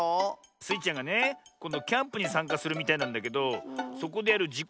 スイちゃんがねこんどキャンプにさんかするみたいなんだけどそこでやるじこ